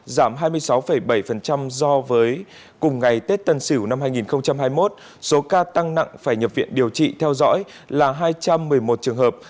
giảm hai mươi sáu bảy so với cùng ngày tết tân sửu năm hai nghìn hai mươi một số ca tăng nặng phải nhập viện điều trị theo dõi là hai trăm một mươi một trường hợp